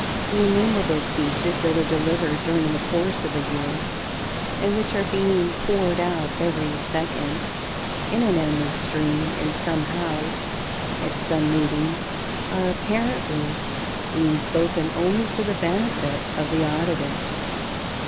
The innumerable speeches that are delivered during the course of a year, and which are being poured out every second in an endless stream in some house at some meeting are apparently being spoken only for the benefit of the auditors.